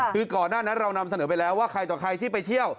คือก่อนหน้านั้นเรานำเสนอไปแล้วว่าใครต่อใครที่ไปเที่ยว